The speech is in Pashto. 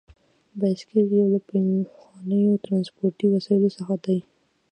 بایسکل یو له پخوانیو ترانسپورتي وسایلو څخه دی.